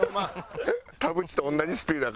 田渕と同じスピードやからな。